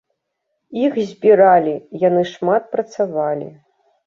Іх збіралі, яны шмат працавалі.